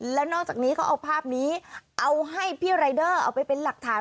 แล้วนอกจากนี้เขาเอาภาพนี้เอาให้พี่รายเดอร์เอาไปเป็นหลักฐาน